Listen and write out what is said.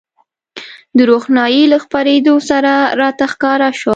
د روښنایۍ له خپرېدو سره راته ښکاره شول.